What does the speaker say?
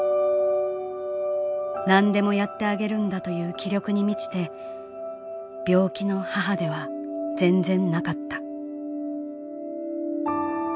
何でもやってあげるんだという気力に満ちて病気の母では全然なかった」。